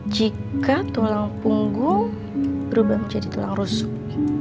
jika tulang punggung berubah menjadi tulang rusuk